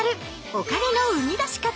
お金のうみだし方。